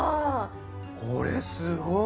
これすごい！